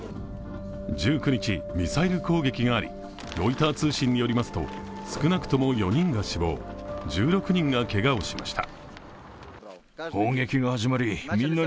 １９日ミサイル攻撃があり、ロイター通信によりますと、少なくとも４人が死亡、１６人がけがをしました。